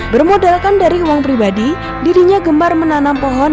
bermodalkan dari uang pribadi dirinya gemar menanam pohon